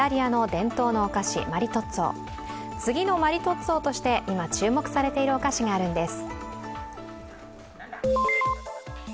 次のマリトッツォとして今、注目されているお菓子があるんです。